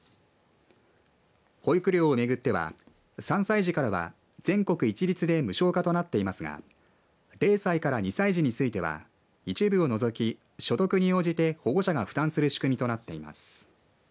保育料を巡っては３歳児からは全国一律で無償化となっていますが０歳から２歳児については一部を除き所得に応じて保護者が負担する仕組みとなっています。